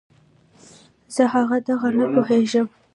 زه هغه دغه نه پوهېږم.